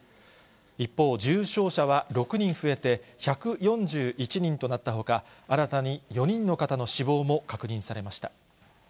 一方、重症者は６人増えて１４１人となったほか、新たに４人の方の死亡も確認されました。